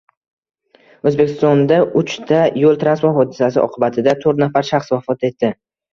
O‘zbekistondauchta yo´l transport hodisasi oqibatidato´rtnafar shaxs vafot etdi